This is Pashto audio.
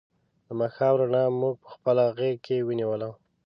د ماښام رڼا مونږ په خپله غېږ کې ونیولو.